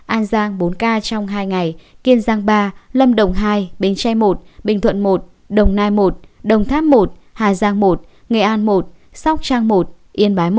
an giang bốn ca trong hai ngày kiên giang ba lâm đồng hai bến tre i bình thuận một đồng nai một đồng tháp một hà giang một nghệ an một sóc trăng một yên bái một